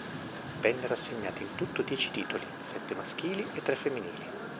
Vennero assegnati in tutto dieci titoli, sette maschili e tre femminili.